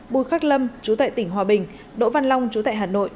bùi khắc lâm chú tại tỉnh hòa bình đỗ văn long chú tại hà nội